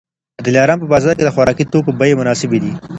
د دلارام په بازار کي د خوراکي توکو بیې مناسبې دي